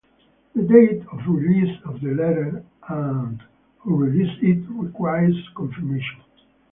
The date of release of the letter and who released it requires confirmation.